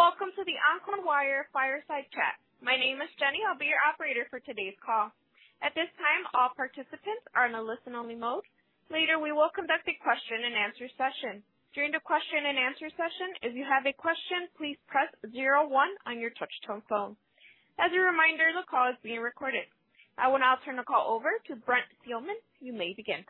Welcome to the Encore Wire fireside chat. My name is Jenny. I'll be your operator for today's call. At this time, all participants are in a listen-only mode. Later, we will conduct a question-and-answer session. During the question-and-answer session, if you have a question, please press zero one on your touch-tone phone. As a reminder, the call is being recorded. I will now turn the call over to Brent Thielman. You may begin.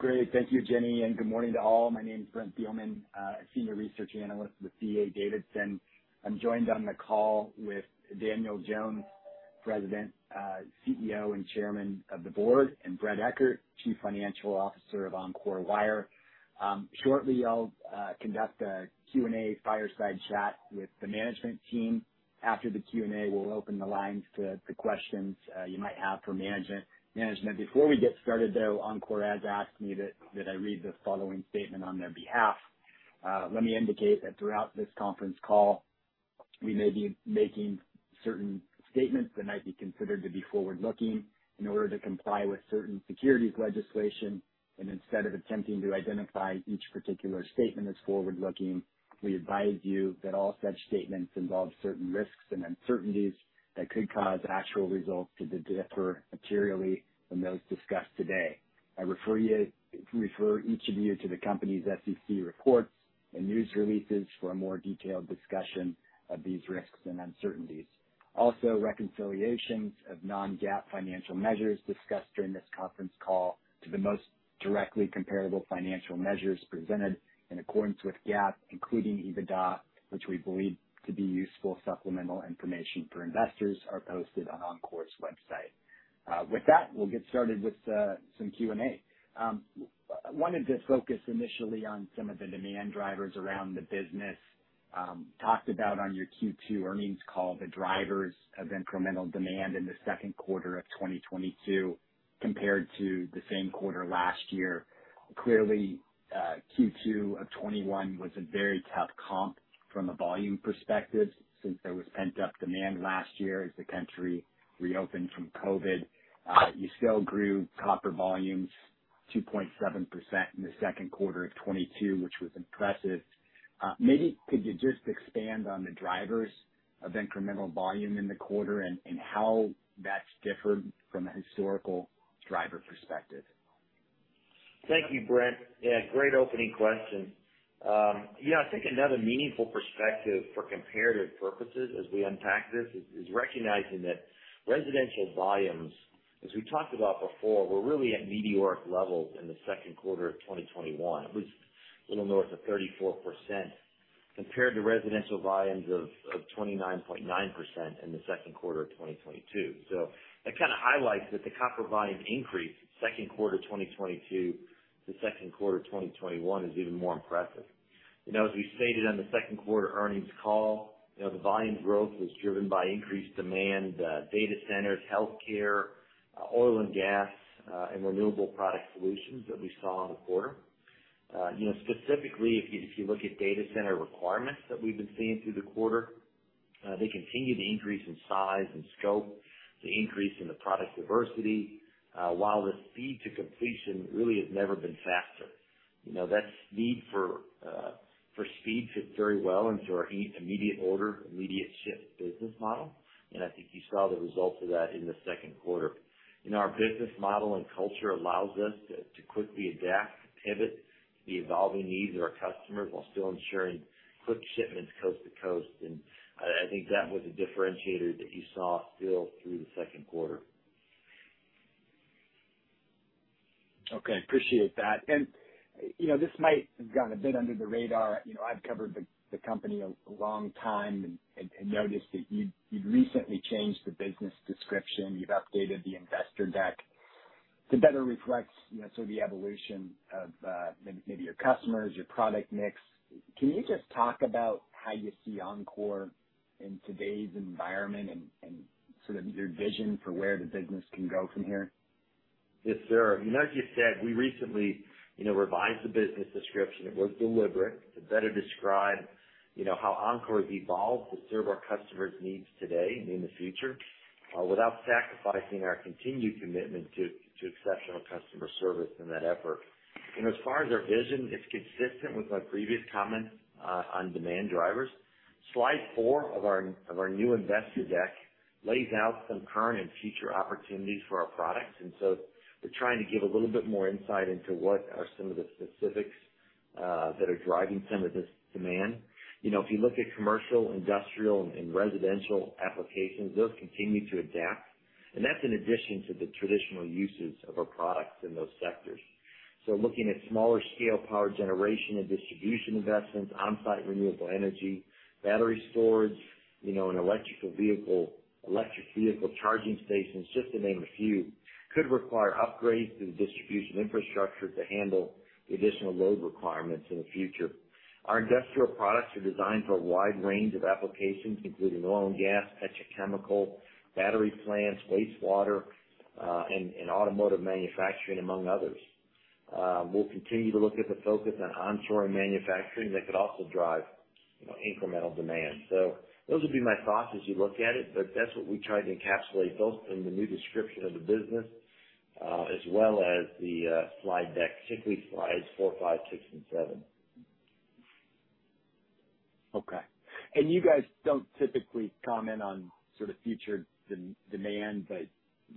Great. Thank you, Jenny, and good morning to all. My name is Brent Thielman, a senior research analyst with D.A. Davidson. I'm joined on the call with Daniel Jones, President, CEO, and Chairman of the Board, and Bret Eckert, Chief Financial Officer of Encore Wire. Shortly, I'll conduct a Q&A fireside chat with the management team. After the Q&A, we'll open the lines to questions you might have for management. Before we get started, though, Encore has asked me that I read the following statement on their behalf. Let me indicate that throughout this conference call, we may be making certain statements that might be considered to be forward-looking in order to comply with certain securities legislation. Instead of attempting to identify each particular statement as forward-looking, we advise you that all such statements involve certain risks and uncertainties that could cause actual results to differ materially from those discussed today. I refer each of you to the company's SEC reports and news releases for a more detailed discussion of these risks and uncertainties. Also, reconciliations of non-GAAP financial measures discussed during this conference call to the most directly comparable financial measures presented in accordance with GAAP, including EBITDA, which we believe to be useful supplemental information for investors, are posted on Encore's website. With that, we'll get started with some Q&A. Wanted to focus initially on some of the demand drivers around the business. Talked about on your Q2 earnings call the drivers of incremental demand in the second quarter of 2022 compared to the same quarter last year. Clearly, Q2 of 2021 was a very tough comp from a volume perspective since there was pent-up demand last year as the country reopened from COVID. You still grew copper volumes 2.7% in the second quarter of 2022, which was impressive. Maybe could you just expand on the drivers of incremental volume in the quarter and how that's different from a historical driver perspective? Thank you, Brent. Yeah, great opening question. Yeah, I think another meaningful perspective for comparative purposes as we unpack this is recognizing that residential volumes, as we talked about before, were really at meteoric levels in the second quarter of 2021. It was a little north of 34% compared to residential volumes of 29.9% in the second quarter of 2022. That kind of highlights that the copper volume increase second quarter of 2022 to second quarter of 2021 is even more impressive. You know, as we stated on the second quarter earnings call, you know, the volume growth was driven by increased demand, data centers, healthcare, oil and gas, and renewable product solutions that we saw in the quarter. You know, specifically if you look at data center requirements that we've been seeing through the quarter, they continue to increase in size and scope. The increase in the product diversity, while the speed to completion really has never been faster. You know, that need for speed fits very well into our immediate order, immediate ship business model, and I think you saw the result of that in the second quarter. Our business model and culture allows us to quickly adapt, to pivot to the evolving needs of our customers while still ensuring quick shipments coast to coast. I think that was a differentiator that you saw still through the second quarter. Okay. Appreciate that. You know, this might have gone a bit under the radar. You know, I've covered the company a long time and noticed that you'd recently changed the business description. You've updated the investor deck to better reflect, you know, sort of the evolution of maybe your customers, your product mix. Can you just talk about how you see Encore in today's environment and sort of your vision for where the business can go from here? Yes, sir. You know, as you said, we recently, you know, revised the business description. It was deliberate to better describe, you know, how Encore has evolved to serve our customers' needs today and in the future, without sacrificing our continued commitment to exceptional customer service in that effort. As far as our vision, it's consistent with my previous comment on demand drivers. Slide four of our new investor deck lays out some current and future opportunities for our products. We're trying to give a little bit more insight into what are some of the specifics that are driving some of this demand. You know, if you look at commercial, industrial, and residential applications, those continue to adapt, and that's in addition to the traditional uses of our products in those sectors. Looking at smaller scale power generation and distribution investments, on-site renewable energy, battery storage, you know, and electric vehicle charging stations, just to name a few, could require upgrades to the distribution infrastructure to handle the additional load requirements in the future. Our industrial products are designed for a wide range of applications, including oil and gas, petrochemical, battery plants, wastewater, and automotive manufacturing, among others. We'll continue to look at the focus on onshoring manufacturing that could also drive, you know, incremental demand. Those would be my thoughts as you look at it, but that's what we tried to encapsulate both in the new description of the business, as well as the slide deck, particularly slides four, five, six, and seven. Okay. You guys don't typically comment on sort of future demand, but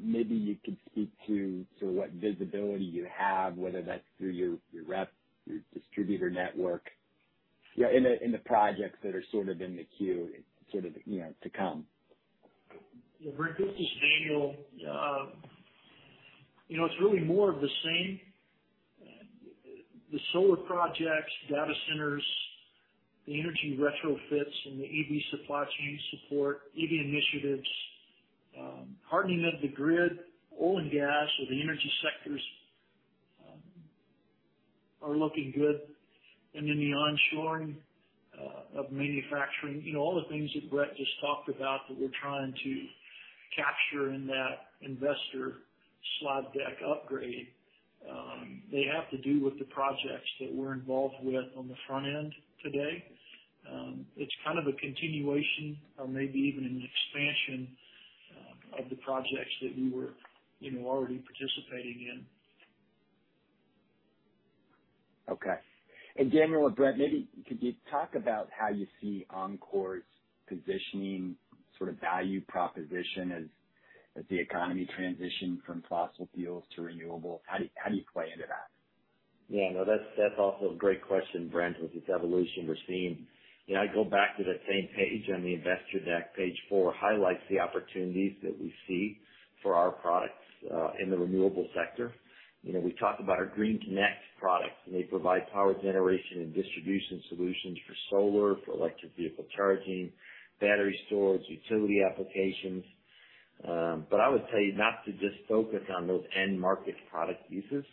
maybe you could speak to sort of what visibility you have, whether that's through your rep, your distributor network. Yeah, in the projects that are sort of in the queue, sort of, you know, to come. Yeah. Brent, this is Daniel. You know, it's really more of the same. The solar projects, data centers, the energy retrofits, and the EV supply chain support, EV initiatives, hardening of the grid, oil and gas, so the energy sectors, are looking good. Then the onshoring, of manufacturing, you know, all the things that Bret just talked about that we're trying to capture in that investor slide deck upgrade, they have to do with the projects that we're involved with on the front end today. It's kind of a continuation or maybe even an expansion, of the projects that we were, you know, already participating in. Okay. Daniel or Bret, maybe could you talk about how you see Encore's positioning sort of value proposition as the economy transitions from fossil fuels to renewable? How do you play into that? Yeah, no, that's also a great question, Brent. With this evolution we're seeing, you know, I go back to that same page on the investor deck. Page four highlights the opportunities that we see for our products in the renewable sector. You know, we talk about our GreenConnect products, and they provide power generation and distribution solutions for solar, for electric vehicle charging, battery storage, utility applications. But I would tell you not to just focus on those end market product uses.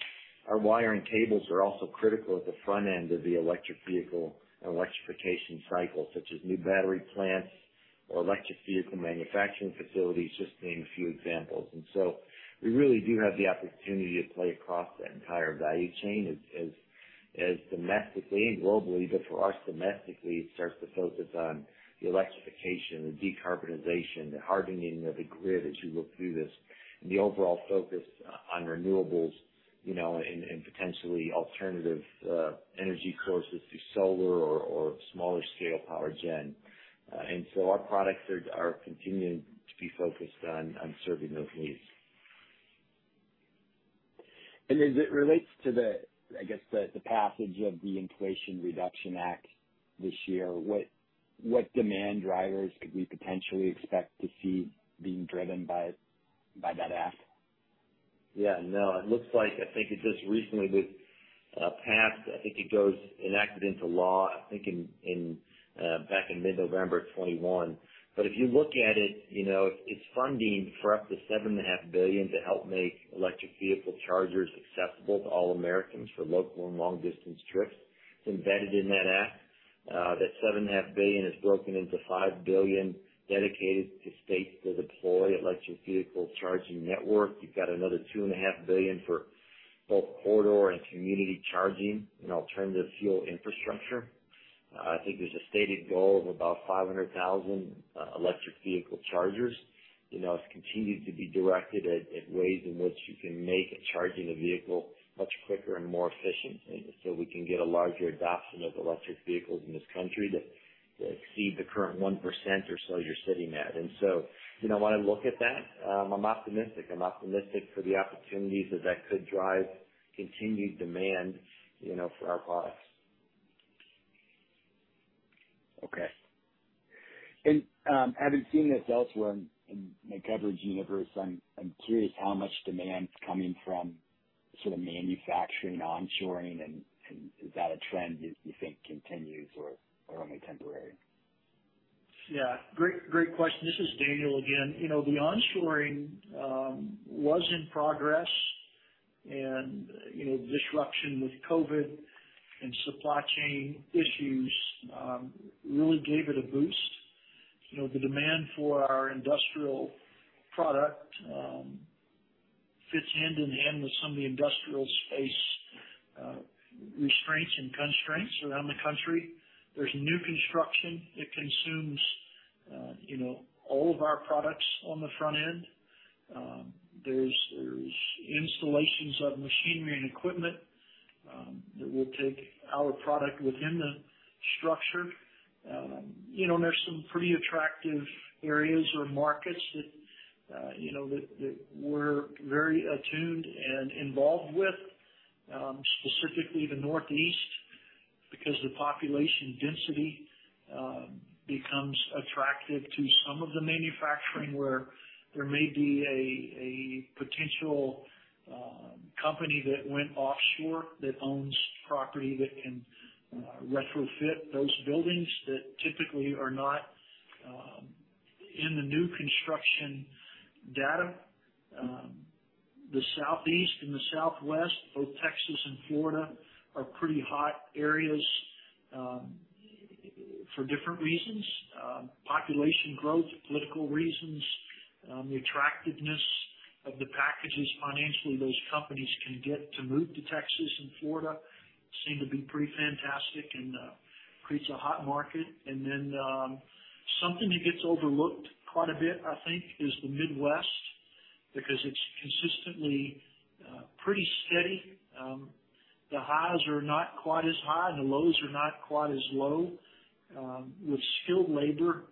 Our wiring cables are also critical at the front end of the electric vehicle and electrification cycle, such as new battery plants or electric vehicle manufacturing facilities, just to name a few examples. We really do have the opportunity to play across that entire value chain as domestically and globally, but for us domestically, it starts to focus on the electrification, the decarbonization, the hardening of the grid as you look through this, and the overall focus on renewables, you know, and potentially alternative energy sources through solar or smaller scale power gen. Our products are continuing to be focused on serving those needs. As it relates to the, I guess, the passage of the Inflation Reduction Act this year, what demand drivers could we potentially expect to see being driven by that act? Yeah, no, it looks like I think it just recently was passed. I think it was enacted into law, I think in back in mid-November of 2021. If you look at it, you know, it's funding for up to $7.5 billion to help make electric vehicle chargers accessible to all Americans for local and long distance trips. It's embedded in that act. That $7.5 billion is broken into $5 billion dedicated to states to deploy electric vehicle charging network. You've got another $2.5 billion for both corridor and community charging and alternative fuel infrastructure. I think there's a stated goal of about 500,000 electric vehicle chargers. You know, it's continued to be directed at ways in which you can make charging a vehicle much quicker and more efficient, and so we can get a larger adoption of electric vehicles in this country that exceed the current 1% or so you're sitting at. You know, when I look at that, I'm optimistic. I'm optimistic for the opportunities that that could drive continued demand, you know, for our products. Okay, having seen this elsewhere in my coverage universe, I'm curious how much demand's coming from sort of manufacturing onshoring, and is that a trend you think continues or only temporary? Yeah. Great question. This is Daniel again. You know, the onshoring was in progress and, you know, disruption with COVID and supply chain issues really gave it a boost. You know, the demand for our industrial product fits hand in hand with some of the industrial space restraints and constraints around the country. There's new construction that consumes, you know, all of our products on the front end. There's installations of machinery and equipment that will take our product within the structure. You know, there's some pretty attractive areas or markets that you know that we're very attuned and involved with, specifically the Northeast because the population density becomes attractive to some of the manufacturing where there may be a potential company that went offshore that owns property that can retrofit those buildings that typically are not in the new construction data. The Southeast and the Southwest, both Texas and Florida are pretty hot areas for different reasons. Population growth, political reasons, the attractiveness of the packages financially those companies can get to move to Texas and Florida seem to be pretty fantastic and creates a hot market. Then something that gets overlooked quite a bit, I think, is the Midwest, because it's consistently pretty steady. The highs are not quite as high and the lows are not quite as low. With skilled labor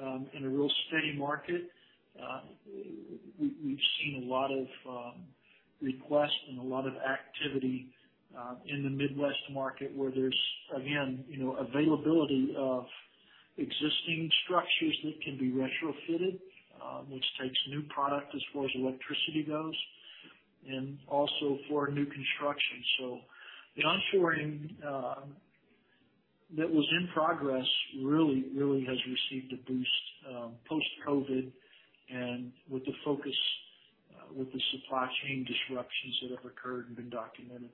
and a real steady market, we've seen a lot of requests and a lot of activity in the Midwest market where there's, again, you know, availability of existing structures that can be retrofitted, which takes new product as far as electricity goes, and also for new construction. The onshoring that was in progress really has received a boost post-COVID and with the focus with the supply chain disruptions that have occurred and been documented.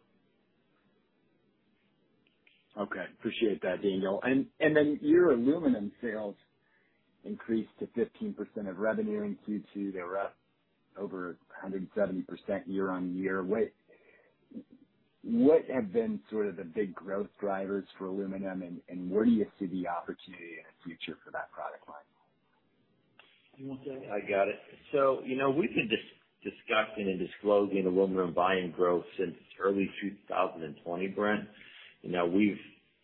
Okay. Appreciate that, Daniel. Your aluminum sales increased to 15% of revenue in Q2. They were up over 170% year-on-year. What have been sort of the big growth drivers for aluminum and where do you see the opportunity in the future for that product line? You want that? I got it. You know, we've been discussing and disclosing aluminum volume growth since early 2020, Brent. Now, we've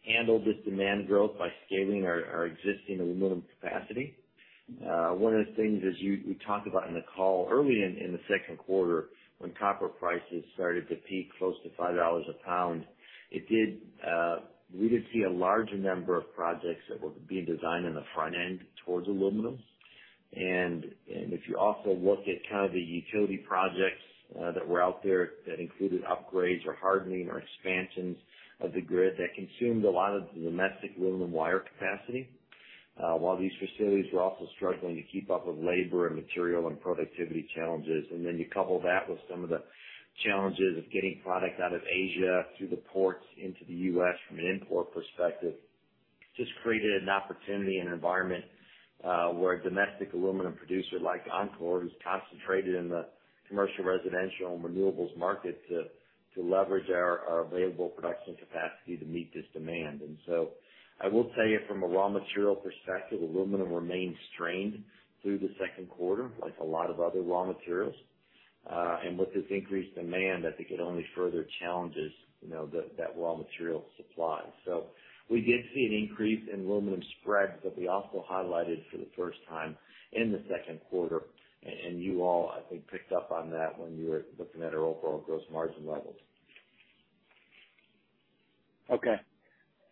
handled this demand growth by scaling our existing aluminum capacity. One of the things as we talked about on the call early in the second quarter when copper prices started to peak close to $5 a pound, we did see a larger number of projects that were being designed on the front end towards aluminum. If you also look at kind of the utility projects that were out there that included upgrades or hardening or expansions of the grid, that consumed a lot of the domestic aluminum wire capacity while these facilities were also struggling to keep up with labor and material and productivity challenges. You couple that with some of the challenges of getting product out of Asia through the ports into the U.S. from an import perspective, just created an opportunity and environment where a domestic aluminum producer like Encore, who's concentrated in the commercial, residential, and renewables market, to leverage our available production capacity to meet this demand. I will tell you from a raw material perspective, aluminum remained strained through the second quarter, like a lot of other raw materials. With this increased demand, I think it only further challenges, you know, that raw material supply. We did see an increase in aluminum spreads that we also highlighted for the first time in the second quarter. You all, I think, picked up on that when you were looking at our overall gross margin levels. Okay.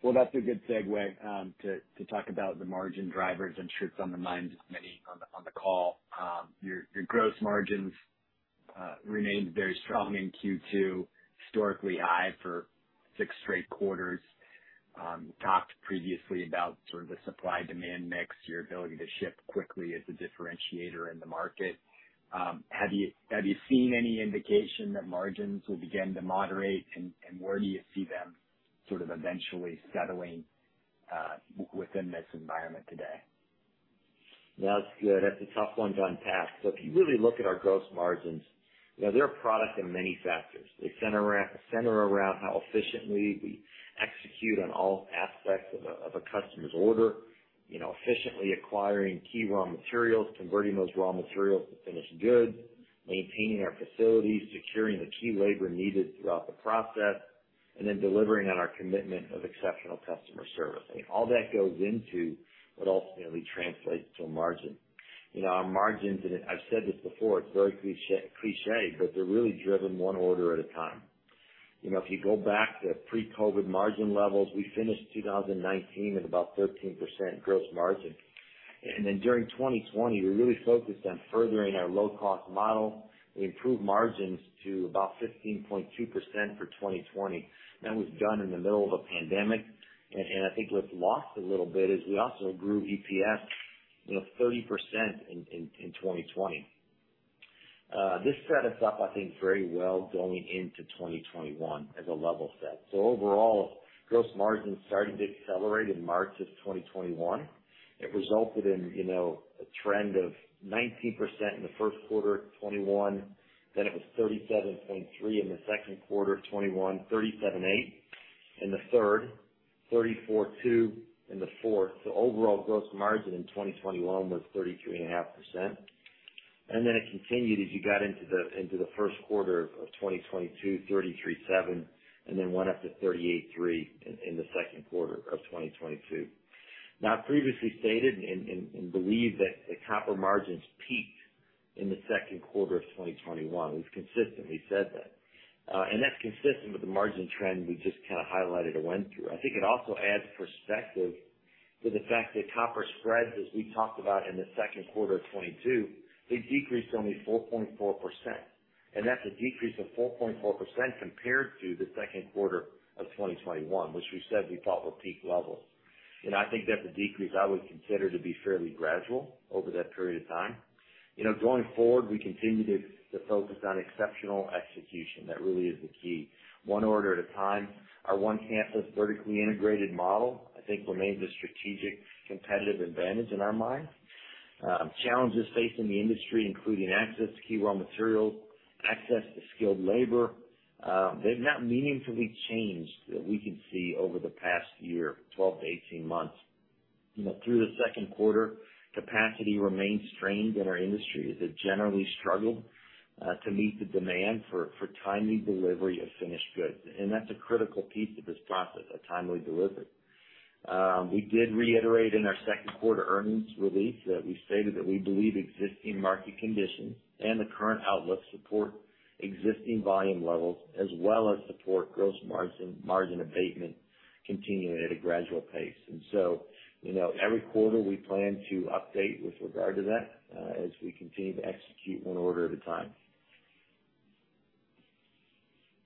Well, that's a good segue to talk about the margin drivers. I'm sure it's on the minds of many on the call. Your gross margins remained very strong in Q2, historically high for six straight quarters. You talked previously about sort of the supply-demand mix, your ability to ship quickly as a differentiator in the market. Have you seen any indication that margins will begin to moderate, and where do you see them sort of eventually settling within this environment today? That's good. That's a tough one to unpack. If you really look at our gross margins, you know, they're a product of many factors. They center around how efficiently we execute on all aspects of a customer's order. You know, efficiently acquiring key raw materials, converting those raw materials to finished goods, maintaining our facilities, securing the key labor needed throughout the process, and then delivering on our commitment of exceptional customer service. I mean, all that goes into what ultimately translates to a margin. You know, our margins, and I've said this before, it's very cliché, but they're really driven one order at a time. You know, if you go back to pre-COVID margin levels, we finished 2019 at about 13% gross margin. During 2020, we really focused on furthering our low-cost model. We improved margins to about 15.2% for 2020. That was done in the middle of a pandemic. I think what's lost a little bit is we also grew EPS, you know, 30% in 2020. This set us up, I think, very well going into 2021 as a level set. Overall, gross margin started to accelerate in March of 2021. It resulted in, you know, a trend of 19% in the first quarter of 2021. It was 37.3% in the second quarter of 2021, 37.8% in the third, 34.2% in the fourth. Overall gross margin in 2021 was 33.5%. Then it continued as you got into the first quarter of 2022, 33.7%, and then went up to 38.3% in the second quarter of 2022. Now, I've previously stated and believe that the copper margins peaked in the second quarter of 2021. We've consistently said that. And that's consistent with the margin trend we just kind of highlighted or went through. I think it also adds perspective to the fact that copper spreads, as we talked about in the second quarter of 2022, they decreased only 4.4%. And that's a decrease of 4.4% compared to the second quarter of 2021, which we said we thought were peak levels. You know, I think that's a decrease I would consider to be fairly gradual over that period of time. You know, going forward, we continue to focus on exceptional execution. That really is the key. One order at a time. Our one campus vertically integrated model, I think, remains a strategic competitive advantage in our minds. Challenges facing the industry, including access to key raw materials, access to skilled labor, they've not meaningfully changed that we can see over the past year, 12-18 months. You know, through the second quarter, capacity remains strained in our industry as it generally struggled to meet the demand for timely delivery of finished goods. That's a critical piece of this process, a timely delivery. We did reiterate in our second quarter earnings release that we stated that we believe existing market conditions and the current outlook support existing volume levels as well as support gross margin abatement continuing at a gradual pace. You know, every quarter we plan to update with regard to that, as we continue to execute one order at a time.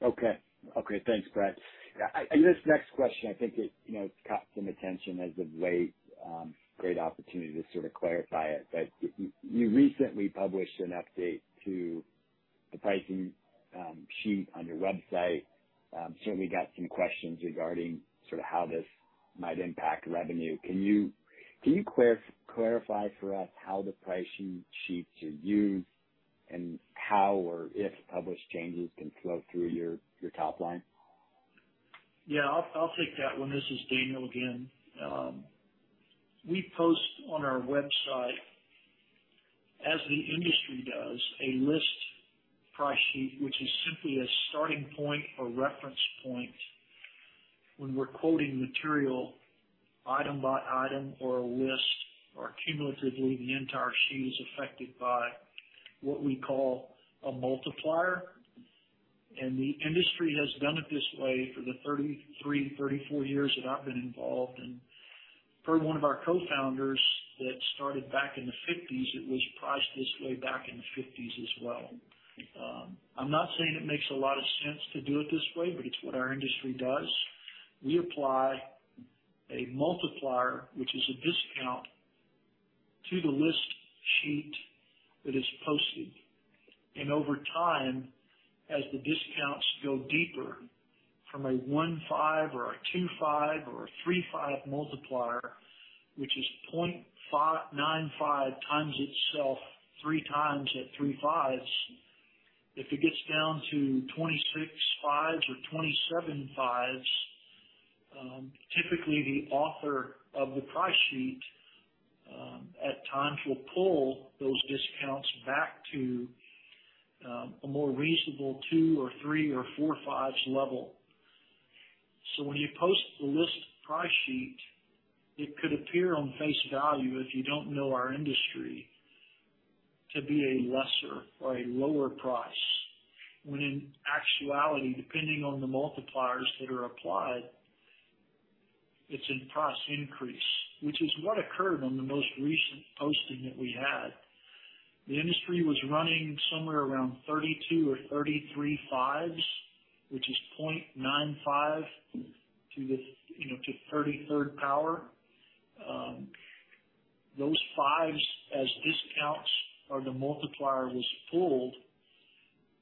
Okay, thanks, Bret. This next question, I think you know, it's caught some attention as of late. Great opportunity to sort of clarify it. You recently published an update to the pricing sheet on your website. Certainly got some questions regarding sort of how this might impact revenue. Can you clarify for us how the pricing sheet should be used and how or if published changes can flow through your top line? Yeah, I'll take that one. This is Daniel again. We post on our website, as the industry does, a list price sheet, which is simply a starting point or reference point when we're quoting material item by item or a list, or cumulatively, the entire sheet is affected by what we call a multiplier. The industry has done it this way for the 33-34 years that I've been involved. Per one of our cofounders that started back in the fifties, it was priced this way back in the fifties as well. I'm not saying it makes a lot of sense to do it this way, but it's what our industry does. We apply a multiplier, which is a discount, to the list sheet that is posted. Over time, as the discounts go deeper from a 1-5 or a 2-5 or a 3-5 multiplier, which is 0.95x itself 3x at 3 fives. If it gets down to 26 fives or 27 fives, typically the author of the price sheet at times will pull those discounts back to a more reasonable 2 or 3 or 4 fives level. When you post the list price sheet, it could appear on face value, if you don't know our industry, to be a lesser or a lower price, when in actuality, depending on the multipliers that are applied, it's a price increase, which is what occurred on the most recent posting that we had. The industry was running somewhere around 32 or 33 fives, which is 0.95 to the 33rd power. Those 5s as discounts or the multiplier was pulled,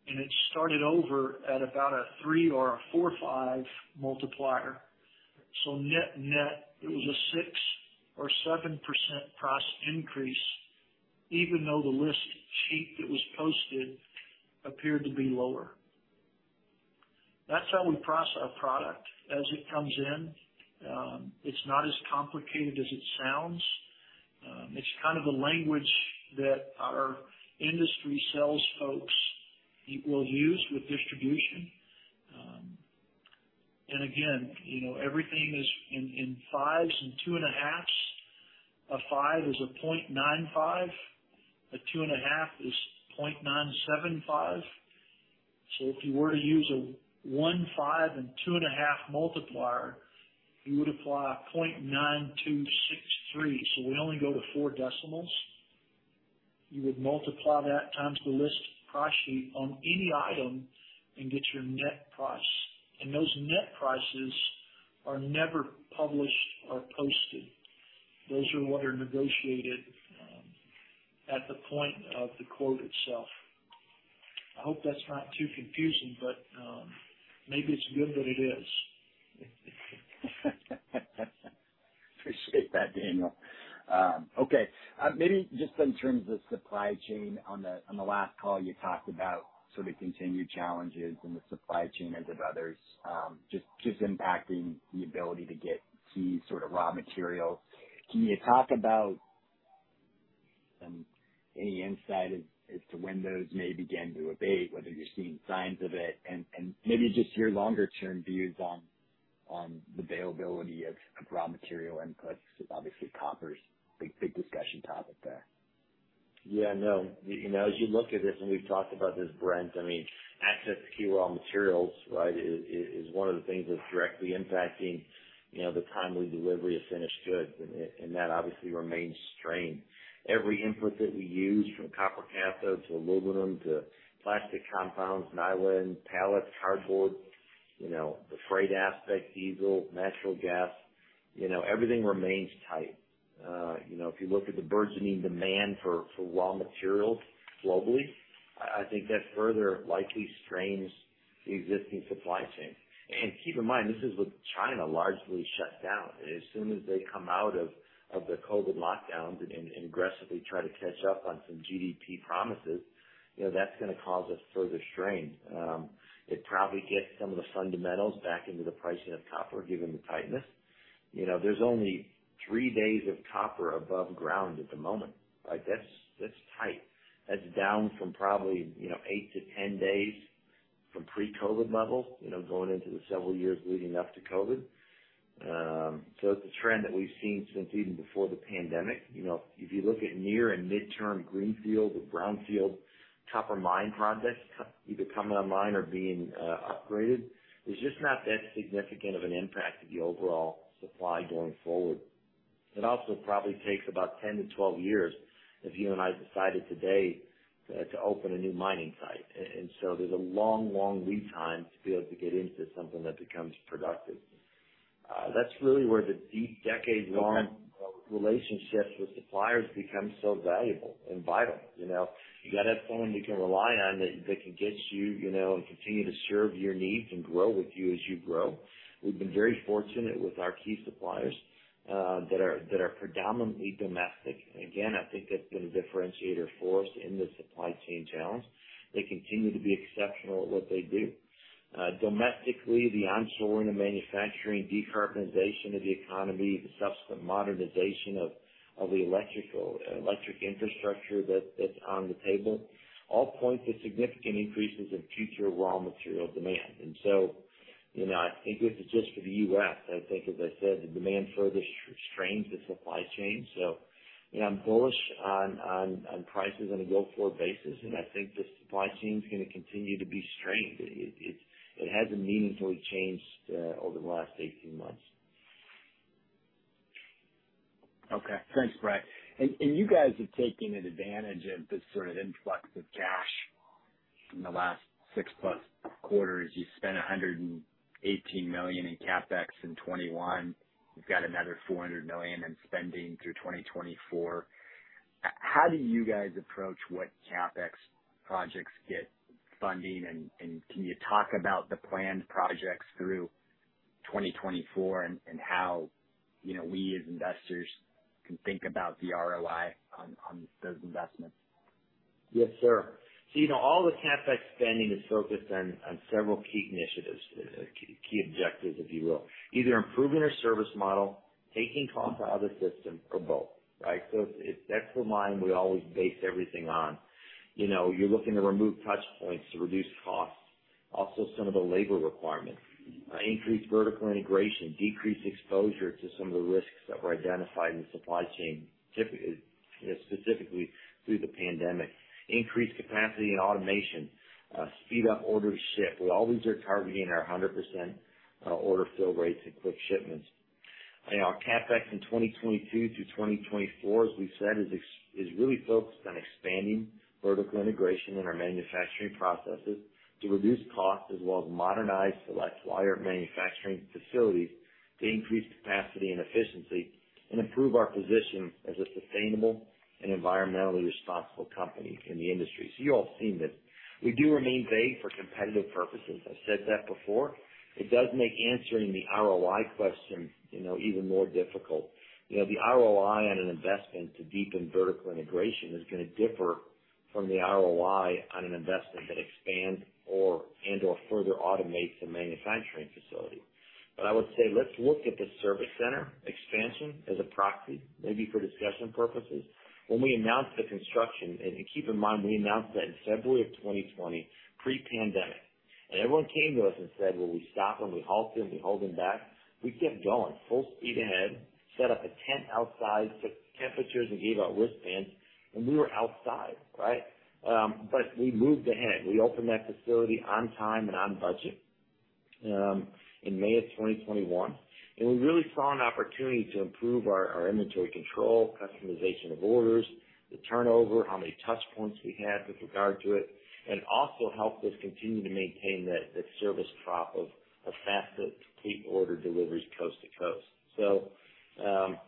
and it started over at about a 3 or a 4.5 multiplier. Net-net, it was a 6%-7% price increase, even though the list sheet that was posted appeared to be lower. That's how we price our product as it comes in. It's not as complicated as it sounds. It's kind of the language that our industry sales folks will use with distribution. Everything is in 5s and 2.5s. A 5 is 0.95. A 2.5 is 0.975. If you were to use a 1.5 and 2.5 multiplier, you would apply 0.9263. We only go to four decimals. You would multiply that times the list price sheet on any item and get your net price. Those net prices are never published or posted. Those are what are negotiated, at the point of the quote itself. I hope that's not too confusing, but, maybe it's good that it is. Appreciate that, Daniel. Okay. Maybe just in terms of supply chain, on the last call you talked about sort of continued challenges in the supply chain as have others, just impacting the ability to get key sort of raw materials. Can you talk about any insight as to when those may begin to abate, whether you're seeing signs of it, and maybe just your longer term views on the availability of raw material inputs? Obviously copper's big discussion topic there. Yeah, no. You know, as you look at this, and we've talked about this, Brent, I mean, access to key raw materials, right, is one of the things that's directly impacting, you know, the timely delivery of finished goods. That obviously remains strained. Every input that we use from copper cathode to aluminum to plastic compounds, nylon, pallets, cardboard, you know, the freight aspect, diesel, natural gas, you know, everything remains tight. You know, if you look at the burgeoning demand for raw materials globally, I think that further likely strains the existing supply chain. Keep in mind, this is with China largely shut down. As soon as they come out of the COVID lockdowns and aggressively try to catch up on some GDP promises, you know, that's gonna cause us further strain. It probably gets some of the fundamentals back into the pricing of copper given the tightness. You know, there's only three days of copper above ground at the moment. Like that's tight. That's down from probably, you know, eight to 10 days from pre-COVID levels, you know, going into the several years leading up to COVID. So it's a trend that we've seen since even before the pandemic. You know, if you look at near and midterm greenfield or brownfield copper mine projects either coming online or being upgraded, it's just not that significant of an impact to the overall supply going forward. It also probably takes about 10-12 years if you and I decided today to open a new mining site. And so there's a long, long lead time to be able to get into something that becomes productive. That's really where the decade-long relationships with suppliers become so valuable and vital. You know? You've got to have someone you can rely on that can get you know, and continue to serve your needs and grow with you as you grow. We've been very fortunate with our key suppliers that are predominantly domestic. Again, I think that's been a differentiator for us in the supply chain challenge. They continue to be exceptional at what they do. Domestically, the onshoring of manufacturing, decarbonization of the economy, the subsequent modernization of the electric infrastructure that's on the table all point to significant increases in future raw material demand. You know, I think if it's just for the U.S., I think, as I said, the demand further strains the supply chain. You know, I'm bullish on prices on a go-forward basis, and I think the supply chain's gonna continue to be strained. It's hasn't meaningfully changed over the last 18 months. Okay. Thanks, Bret. You guys have taken an advantage of this sort of influx of cash in the last 6+ quarters. You spent $118 million in CapEx in 2021. You've got another $400 million in spending through 2024. How do you guys approach what CapEx projects get funding? Can you talk about the planned projects through 2024 and how, you know, we as investors can think about the ROI on those investments? Yes, sir. You know, all the CapEx spending is focused on several key initiatives, key objectives, if you will, either improving our service model, taking costs out of the system or both, right? That's the line we always base everything on. You know, you're looking to remove touch points to reduce costs. Also, some of the labor requirements, increase vertical integration, decrease exposure to some of the risks that were identified in the supply chain, you know, specifically through the pandemic, increase capacity and automation, speed up order to ship. We always are targeting our 100% order fill rates and quick shipments. You know, our CapEx in 2022 through 2024, as we said, is really focused on expanding vertical integration in our manufacturing processes to reduce costs, as well as modernize select wire manufacturing facilities to increase capacity and efficiency and improve our position as a sustainable and environmentally responsible company in the industry. You all have seen this. We do remain vague for competitive purposes. I've said that before. It does make answering the ROI question, you know, even more difficult. You know, the ROI on an investment to deepen vertical integration is gonna differ from the ROI on an investment that expands and/or further automates a manufacturing facility. I would say, let's look at the service center expansion as a proxy, maybe for discussion purposes. When we announced the construction, and keep in mind, we announced that in February of 2020, pre-pandemic. Everyone came to us and said, "Will we stop them? Will we halt them? We hold them back?" We kept going full speed ahead, set up a tent outside, took temperatures and gave out wristbands, and we were outside, right? We moved ahead. We opened that facility on time and on budget in May of 2021, and we really saw an opportunity to improve our inventory control, customization of orders, the turnover, how many touch points we had with regard to it, and also helped us continue to maintain that service prop of fast and complete order deliveries coast to coast.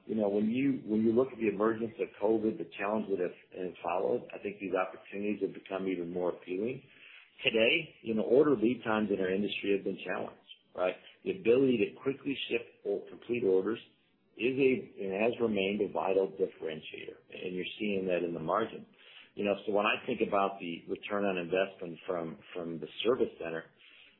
You know, when you look at the emergence of COVID, the challenge that has, it has followed, I think these opportunities have become even more appealing. Today, you know, order lead times in our industry have been challenged, right? The ability to quickly ship or complete orders is, and has remained, a vital differentiator, and you're seeing that in the margin. You know, so when I think about the return on investment from the service center,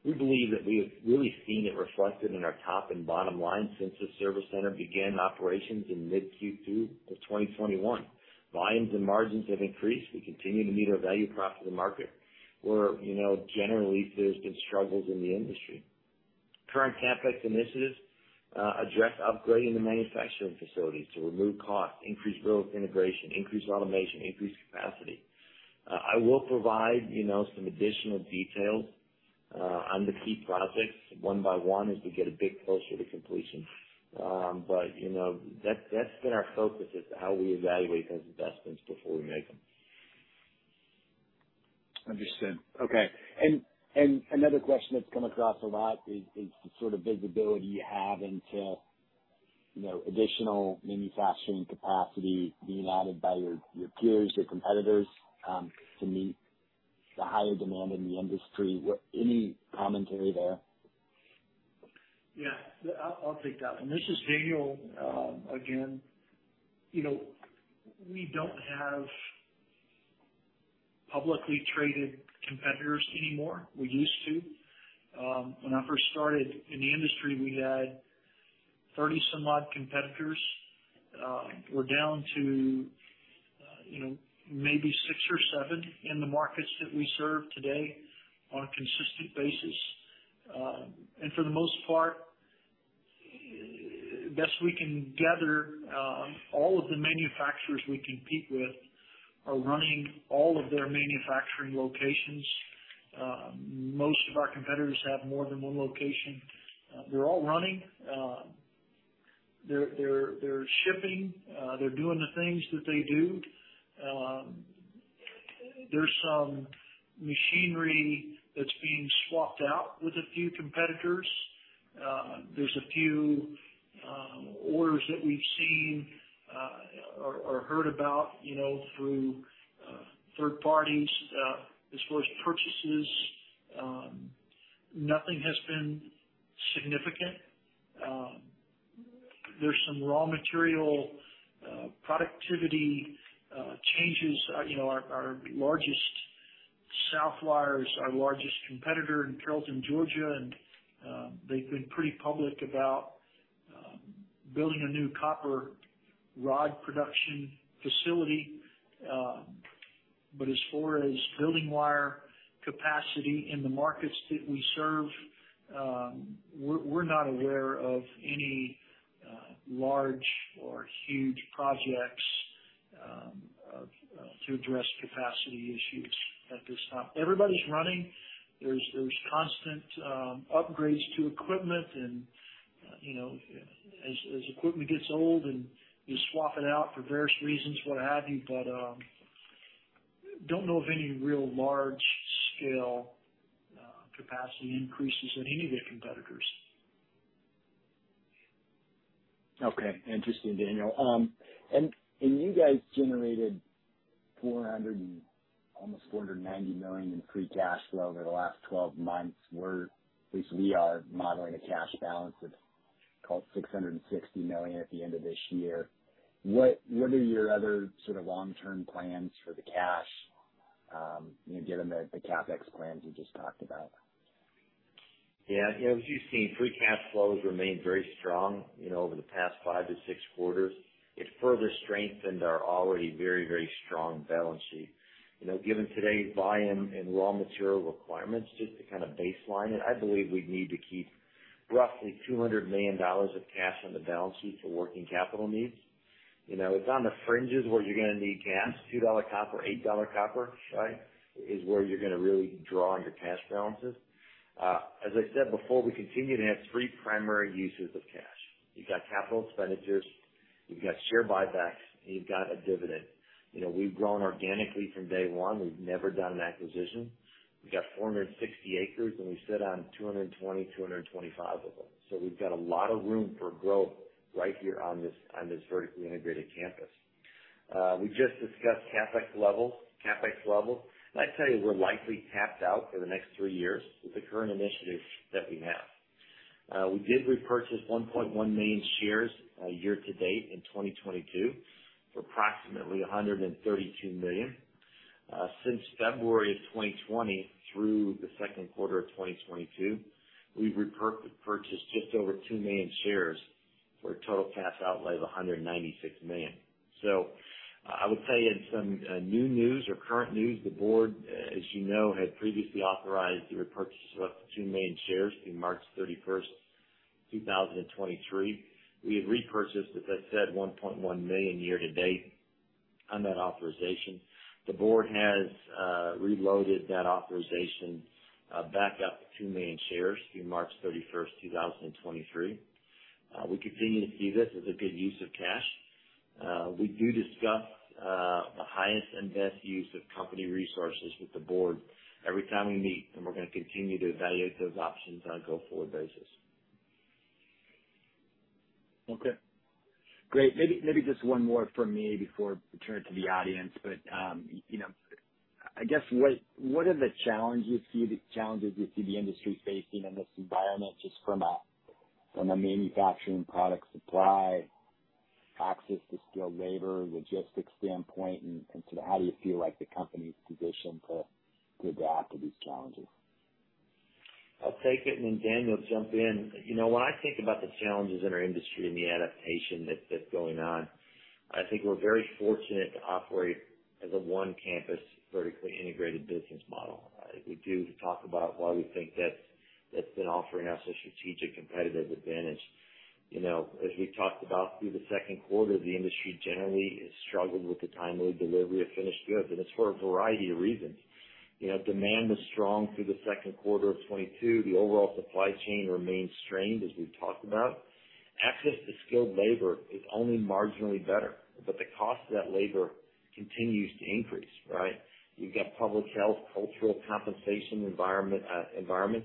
we believe that we have really seen it reflected in our top and bottom line since the service center began operations in mid Q2 of 2021. Volumes and margins have increased. We continue to meet our value prop to the market, where, you know, generally there's been struggles in the industry. Current CapEx initiatives address upgrading the manufacturing facilities to remove costs, increase growth integration, increase automation, increase capacity. I will provide, you know, some additional details on the key projects one by one as we get a bit closer to completion. You know, that's been our focus as to how we evaluate those investments before we make them. Understood. Okay. Another question that's come across a lot is the sort of visibility you have until, you know, additional manufacturing capacity being added by your peers, your competitors, to meet the higher demand in the industry. Any commentary there? Yeah. I'll take that one. This is Daniel again. You know, we don't have publicly traded competitors anymore. We used to. When I first started in the industry, we had 30-some odd competitors. We're down to, you know, maybe six or seven in the markets that we serve today on a consistent basis. For the most part, best we can gather, all of the manufacturers we compete with are running all of their manufacturing locations. Most of our competitors have more than one location. They're all running. They're shipping, they're doing the things that they do. There's some machinery that's being swapped out with a few competitors. There's a few orders that we've seen, or heard about, you know, through third parties. As far as purchases, nothing has been significant. There's some raw material productivity changes. You know, our largest Southwire is our largest competitor in Carrollton, Georgia, and they've been pretty public about building a new copper rod production facility. As far as building wire capacity in the markets that we serve, we're not aware of any large or huge projects to address capacity issues at this time. Everybody's running. There's constant upgrades to equipment and you know, as equipment gets old and you swap it out for various reasons, what have you. Don't know of any real large-scale capacity increases at any of the competitors. Okay. Interesting, Daniel. You guys generated almost $490 million in free cash flow over the last 12 months. At least we are modeling a cash balance of call it $660 million at the end of this year. What are your other sort of long-term plans for the cash, you know, given the CapEx plans you just talked about? Yeah. You know, as you've seen, free cash flows remain very strong, you know, over the past five to six quarters. It further strengthened our already very, very strong balance sheet. You know, given today's buy-in and raw material requirements, just to kind of baseline it, I believe we'd need to keep roughly $200 million of cash on the balance sheet for working capital needs. You know, it's on the fringes where you're gonna need cash, $2 copper, $8 copper, right, is where you're gonna really draw on your cash balances. As I said before, we continue to have three primary uses of cash. You've got capital expenditures, you've got share buybacks, and you've got a dividend. You know, we've grown organically from day one. We've never done an acquisition. We've got 460 acres, and we sit on 225 acres of them. We've got a lot of room for growth right here on this vertically integrated campus. We just discussed CapEx levels. I'd tell you we're likely capped out for the next three years with the current initiatives that we have. We did repurchase 1.1 million shares year to date in 2022 for approximately $132 million. Since February of 2020 through the second quarter of 2022, we've repurchased just over 2 million shares for a total cash outlay of $196 million. I would tell you in some new news or current news, the board, as you know, had previously authorized the repurchase of up to 2 million shares through March 31st, 2023. We have repurchased, as I said, 1.1 million year to date on that authorization. The board has reloaded that authorization back up to 2 million shares through March 31st, 2023. We continue to see this as a good use of cash. We do discuss the highest and best use of company resources with the board every time we meet, and we're gonna continue to evaluate those options on a go-forward basis. Okay, great. Maybe just one more from me before we turn it to the audience. You know, I guess, what are the challenges you see the industry facing in this environment, just from a manufacturing product supply, access to skilled labor, logistics standpoint? Sort of how do you feel like the company's positioned to adapt to these challenges? I'll take it and then Daniel will jump in. You know, when I think about the challenges in our industry and the adaptation that's going on, I think we're very fortunate to operate as a one-campus vertically integrated business model as we do to talk about why we think that's been offering us a strategic competitive advantage. You know, as we've talked about through the second quarter, the industry generally has struggled with the timely delivery of finished goods, and it's for a variety of reasons. You know, demand was strong through the second quarter of 2022. The overall supply chain remains strained, as we've talked about. Access to skilled labor is only marginally better, but the cost of that labor continues to increase, right? We've got public health, cultural compensation environment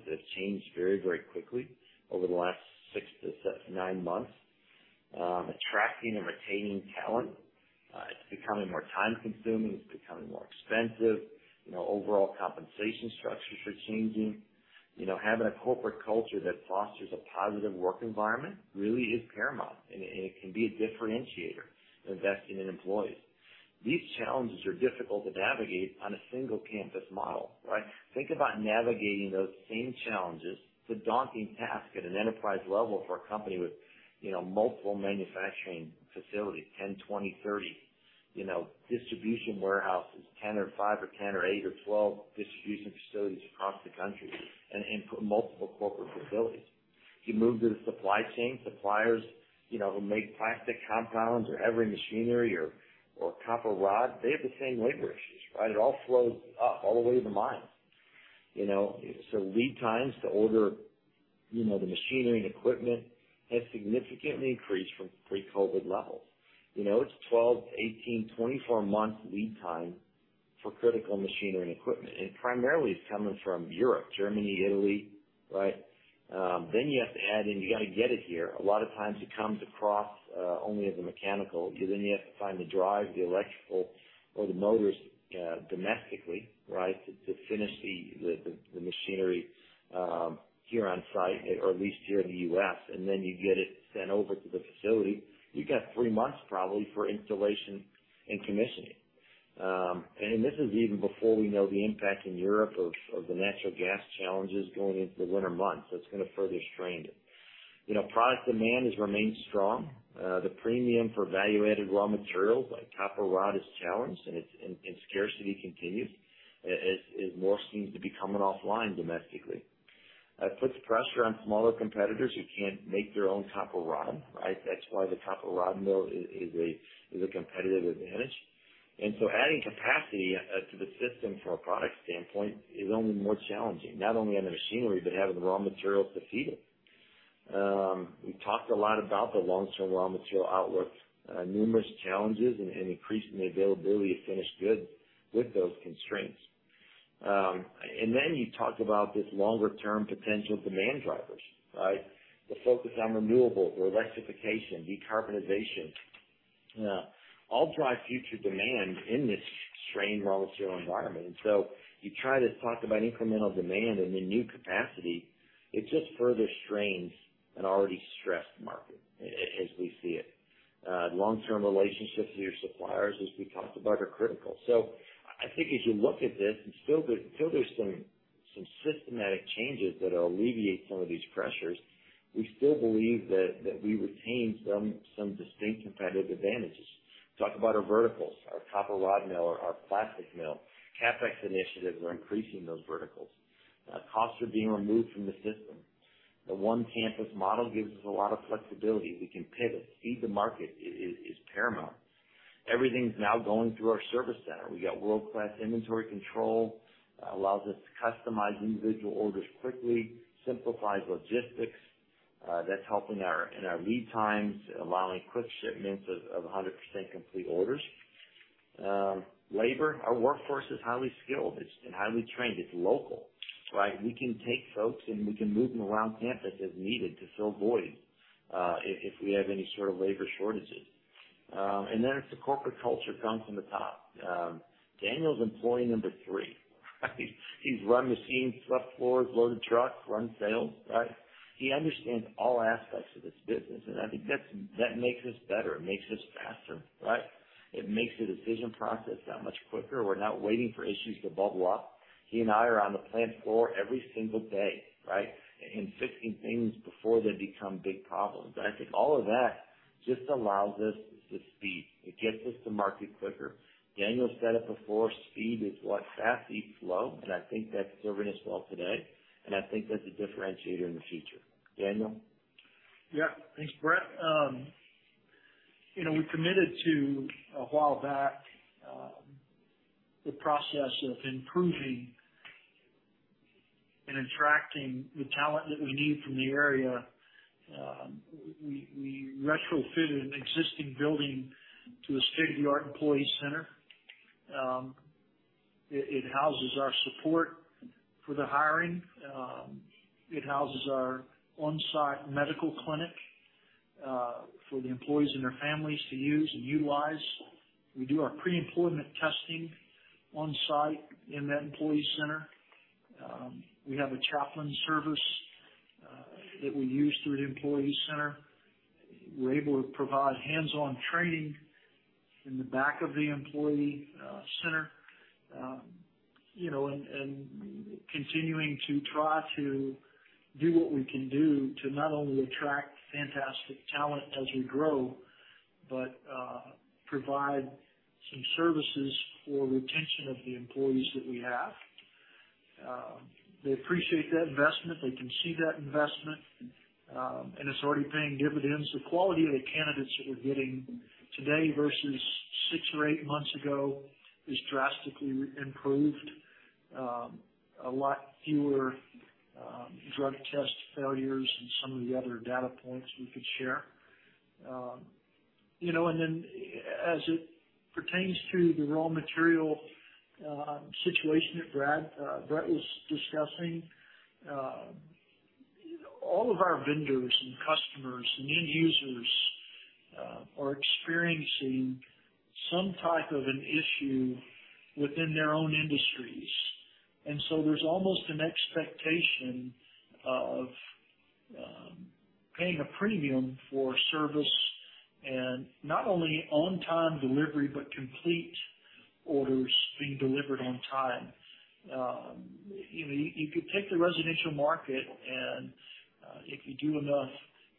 that's changed very, very quickly over the last six to nine months. Attracting and retaining talent, it's becoming more time consuming, it's becoming more expensive. You know, overall compensation structures are changing. You know, having a corporate culture that fosters a positive work environment really is paramount, and it can be a differentiator, investing in employees. These challenges are difficult to navigate on a single campus model, right? Think about navigating those same challenges. It's a daunting task at an enterprise level for a company with, you know, multiple manufacturing facilities, 10, 20, 30. You know, distribution warehouses, 10 or five or 10 or eight or 12 distribution facilities across the country and multiple corporate facilities. You move to the supply chain, suppliers, you know, who make plastic compounds or heavy machinery or copper rod, they have the same labor issues, right? It all flows up all the way to the mine, you know. Lead times to order, you know, the machinery and equipment has significantly increased from pre-COVID levels. You know, it's 12, 18, 24 months lead time for critical machinery and equipment. Primarily it's coming from Europe, Germany, Italy, right? Then you have to add in, you gotta get it here. A lot of times it comes across only as a mechanical. You have to find the drive, the electrical or the motors domestically, right, to finish the machinery here on site, or at least here in the U.S. Then you get it sent over to the facility. You got three months probably for installation and commissioning. This is even before we know the impact in Europe of the natural gas challenges going into the winter months. That's gonna further strain it. You know, product demand has remained strong. The premium for value-added raw materials like copper rod is challenged, and its scarcity continues, as more seems to be coming offline domestically. It puts pressure on smaller competitors who can't make their own copper rod, right? That's why the copper rod mill is a competitive advantage. Adding capacity to the system from a product standpoint is only more challenging, not only on the machinery, but having the raw materials to feed it. We've talked a lot about the long-term raw material outlook, numerous challenges and increasing the availability of finished goods with those constraints. You talk about this long-term potential demand drivers, right? The focus on renewable, electrification, decarbonization, all drive future demand in this strained raw material environment. You try to talk about incremental demand and then new capacity. It just further strains an already stressed market, as we see it. Long-term relationships with your suppliers, as we talked about, are critical. I think as you look at this, until there's some systematic changes that'll alleviate some of these pressures, we still believe that we retain some distinct competitive advantages. Talk about our verticals, our copper rod mill, our plastic mill. CapEx initiatives are increasing those verticals. Costs are being removed from the system. The one-campus model gives us a lot of flexibility. We can pivot. Speed to market is paramount. Everything's now going through our service center. We got world-class inventory control, allows us to customize individual orders quickly, simplifies logistics. That's helping in our lead times, allowing quick shipments of 100% complete orders. Labor, our workforce is highly skilled. It's highly trained. It's local, right? We can take folks, and we can move them around campus as needed to fill voids, if we have any sort of labor shortages. The corporate culture comes from the top. Daniel's employee number three, right? He's run machines, swept floors, loaded trucks, run sales, right? He understands all aspects of this business, and I think that makes us better. It makes us faster, right? It makes the decision process that much quicker. We're not waiting for issues to bubble up. He and I are on the plant floor every single day, right? Fixing things before they become big problems. I think all of that just allows us the speed. It gets us to market quicker. Daniel said it before, speed is what fast beats slow, and I think that's serving us well today, and I think that's a differentiator in the future. Daniel? Yeah. Thanks, Bret. You know, we committed to, a while back, the process of improving and attracting the talent that we need from the area. We retrofitted an existing building to a state-of-the-art employee center. It houses our support for the hiring. It houses our on-site medical clinic for the employees and their families to use and utilize. We do our pre-employment testing on-site in that employee center. We have a chaplain service that we use through the employee center. We're able to provide hands-on training in the back of the employee center. You know, and continuing to try to do what we can do to not only attract fantastic talent as we grow, but provide some services for retention of the employees that we have. They appreciate that investment. They can see that investment. It's already paying dividends. The quality of the candidates that we're getting today versus six or eight months ago is drastically improved. A lot fewer drug test failures and some of the other data points we could share. You know, as it pertains to the raw material situation that Bret was discussing, all of our vendors and customers and end users are experiencing some type of an issue within their own industries. There's almost an expectation of paying a premium for service and not only on-time delivery, but complete orders being delivered on time. You know, you could take the residential market, and if you do enough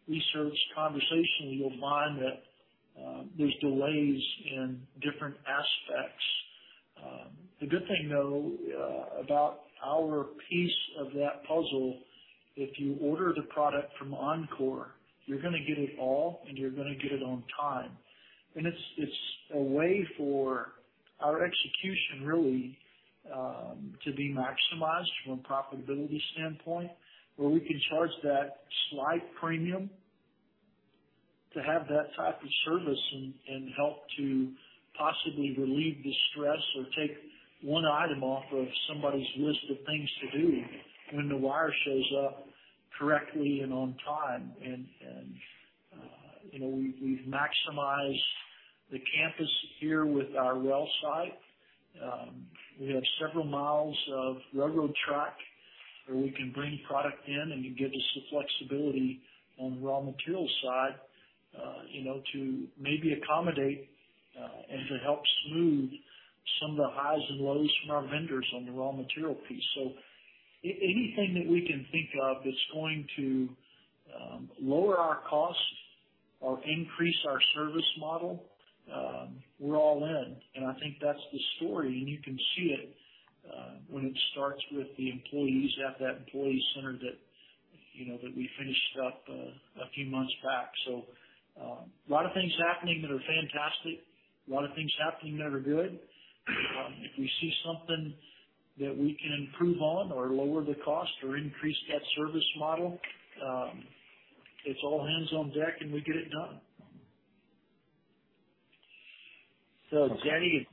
research or conversation, you'll find that there's delays in different aspects. The good thing, though, about our piece of that puzzle, if you order the product from Encore, you're gonna get it all and you're gonna get it on time. It's a way for our execution really to be maximized from a profitability standpoint, where we can charge that slight premium to have that type of service and help to possibly relieve the stress or take one item off of somebody's list of things to do when the wire shows up correctly and on time. You know, we've maximized the campus here with our rail site. We have several miles of railroad track where we can bring product in, and it gives us the flexibility on the raw material side, you know, to maybe accommodate, and to help smooth some of the highs and lows from our vendors on the raw material piece. Anything that we can think of that's going to lower our costs or increase our service model, we're all in. I think that's the story, and you can see it, when it starts with the employees at that employee center that, you know, that we finished up, a few months back. A lot of things happening that are fantastic. A lot of things happening that are good. If we see something that we can improve on or lower the cost or increase that service model, it's all hands on deck, and we get it done. Jenny,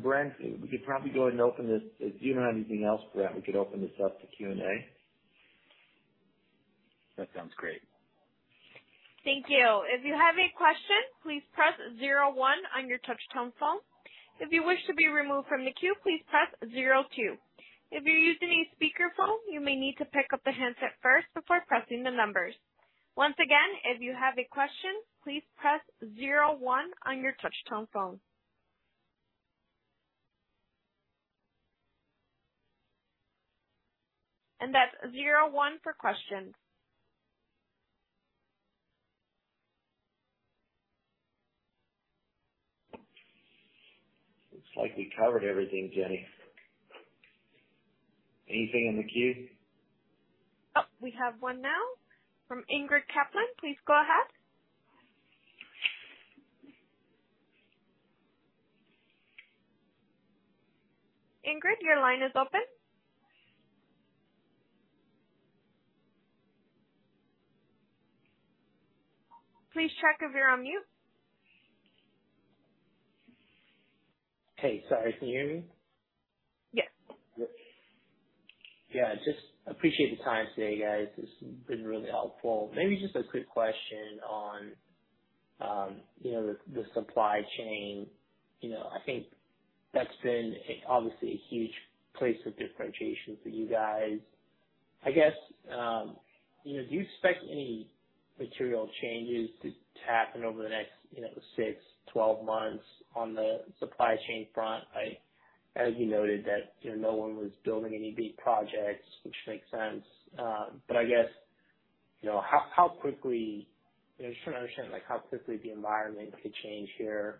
Brent, we could probably go ahead and open this. If you don't have anything else, Bret, we could open this up to Q&A. That sounds great. Thank you. If you have a question, please press zero one on your touch-tone phone. If you wish to be removed from the queue, please press zero two. If you're using a speakerphone, you may need to pick up the handset first before pressing the numbers. Once again, if you have a question, please press zero one on your touch-tone phone. That's zero one for questions. Looks like we covered everything, Jenny. Anything in the queue? Oh, we have one now from Ingrid Kaplan. Please go ahead. Ingrid, your line is open. Please check if you're on mute. Hey, sorry. Can you hear me? Yes. Yeah, just appreciate the time today, guys. It's been really helpful. Maybe just a quick question on, you know, the supply chain. You know, I think that's been a, obviously a huge place of differentiation for you guys. I guess, you know, do you expect any material changes to happen over the next, you know, six, 12 months on the supply chain front? As you noted that, you know, no one was building any big projects, which makes sense. But I guess, you know, how quickly. You know, just trying to understand, like, how quickly the environment could change here,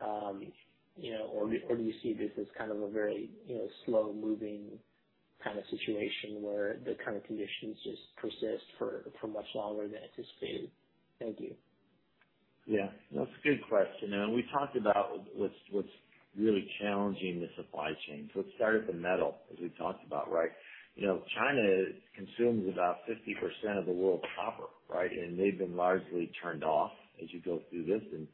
you know. Or do you see this as kind of a very, you know, slow-moving kind of situation where the current conditions just persist for much longer than anticipated? Thank you. Yeah, that's a good question. We talked about what's really challenging the supply chain. Let's start at the metal, as we talked about, right. You know, China consumes about 50% of the world's copper, right? They've been largely turned off as you go through this, and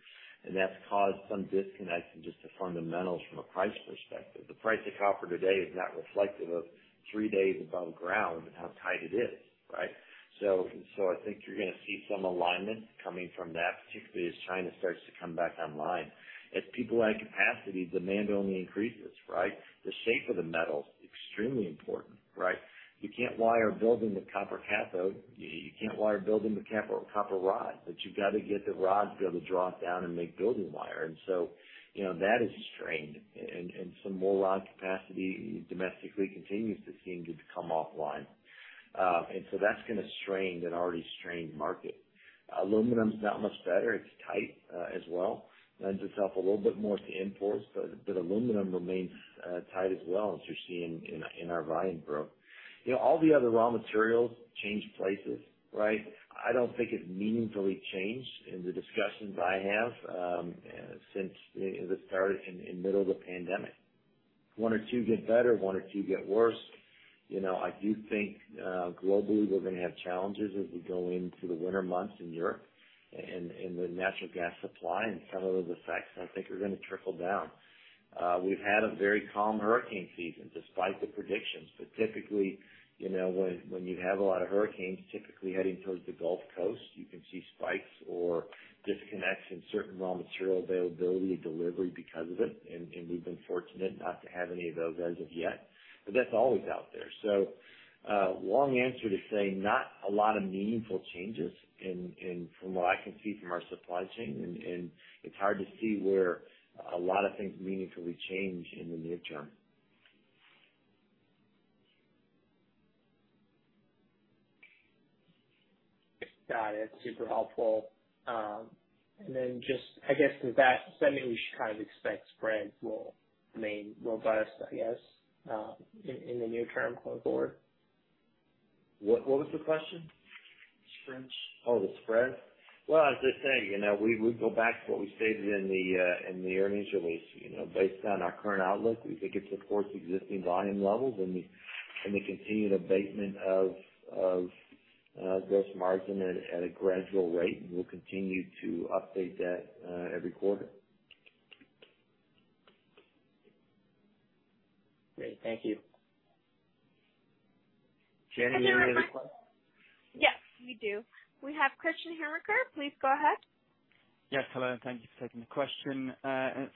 that's caused some disconnect in just the fundamentals from a price perspective. The price of copper today is not reflective of three days above ground and how tight it is, right? I think you're gonna see some alignment coming from that, particularly as China starts to come back online. As people add capacity, demand only increases, right? The shape of the metal is extremely important, right? You can't wire a building with copper cathode. You can't wire a building with copper rod. You've got to get the rod to be able to draw it down and make building wire. You know, that is strained. Some more rod capacity domestically continues to seem to come offline. That's gonna strain an already strained market. Aluminum's not much better. It's tight as well. Lends itself a little bit more to imports, but aluminum remains tight as well, as you're seeing in our volume growth. You know, all the other raw materials change prices, right? I don't think it meaningfully changed in the discussions I have since the start in middle of the pandemic. One or two get better, one or two get worse. You know, I do think globally we're gonna have challenges as we go into the winter months in Europe and the natural gas supply and some of those effects I think are gonna trickle down. We've had a very calm hurricane season despite the predictions. Typically, you know, when you have a lot of hurricanes typically heading towards the Gulf Coast, you can see spikes or disconnects in certain raw material availability, delivery because of it. We've been fortunate not to have any of those as of yet. That's always out there. Long answer to say not a lot of meaningful changes in from what I can see from our supply chain, and it's hard to see where a lot of things meaningfully change in the near term. Got it. Super helpful. Just I guess with that, does that mean we should kind of expect spreads more, I mean, robust, I guess, in the near term going forward? What was the question? Spreads. Oh, the spreads. Well, as I say, you know, we go back to what we stated in the earnings release. You know, based on our current outlook, we think it supports existing volume levels and the continued abatement of gross margin at a gradual rate. We'll continue to update that every quarter. Great. Thank you. Jenny, any other questions? Yes, we do. We have Christian Herker. Please go ahead. Yes, hello, and thank you for taking the question.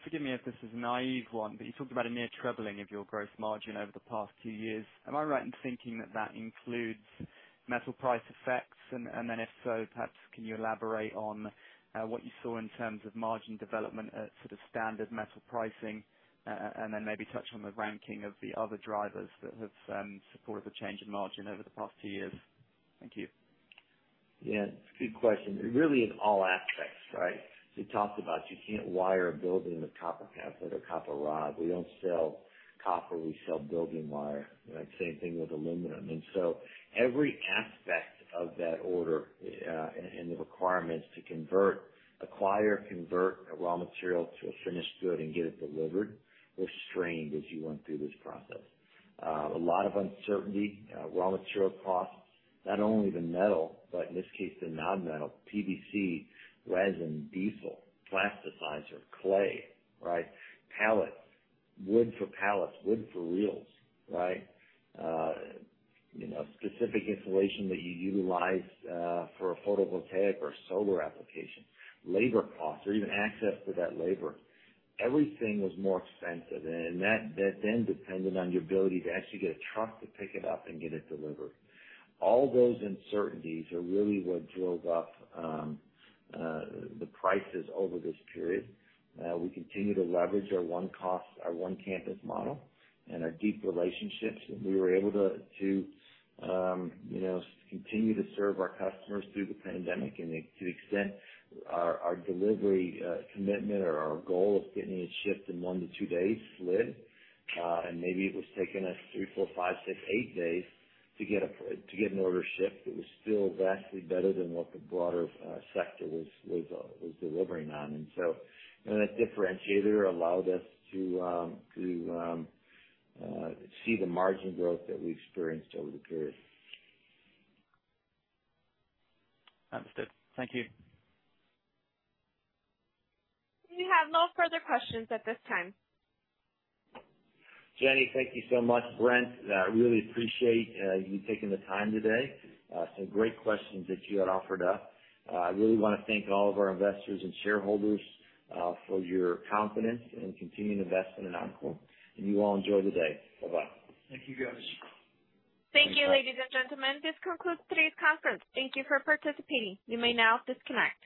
Forgive me if this is a naive one, but you talked about a near trebling of your gross margin over the past two years. Am I right in thinking that that includes metal price effects? If so, perhaps can you elaborate on what you saw in terms of margin development at sort of standard metal pricing, and then maybe touch on the ranking of the other drivers that have supported the change in margin over the past two years? Thank you. Yeah, it's a good question. Really in all aspects, right? As we talked about, you can't wire a building with copper cathode or copper rod. We don't sell copper. We sell building wire. Right? Same thing with aluminum. Every aspect of that order and the requirements to acquire, convert raw material to a finished good and get it delivered was strained as you went through this process. A lot of uncertainty. Raw material costs, not only the metal but in this case, the non-metal PVC, resin, diesel, plasticizer, clay. Right? Pallets. Wood for pallets, wood for reels, right? You know, specific insulation that you utilize for a photovoltaic or solar application. Labor costs or even access to that labor. Everything was more expensive. That then depended on your ability to actually get a truck to pick it up and get it delivered. All those uncertainties are really what drove up the prices over this period. We continue to leverage our one cost, our one campus model and our deep relationships, and we were able to you know continue to serve our customers through the pandemic. To the extent our delivery commitment or our goal of getting it shipped in one to two days slid, and maybe it was taking us three, four, five, six, eight days to get an order shipped, it was still vastly better than what the broader sector was delivering on. That differentiator allowed us to see the margin growth that we experienced over the period. Understood. Thank you. We have no further questions at this time. Jenny, thank you so much. Brent, I really appreciate you taking the time today. Some great questions that you had offered up. I really wanna thank all of our investors and shareholders for your confidence and continued investment in Encore. You all enjoy the day. Bye-bye. Thank you, guys. Thank you, ladies and gentlemen. This concludes today's conference. Thank you for participating. You may now disconnect.